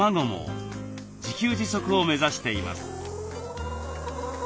自給自足を目指しています。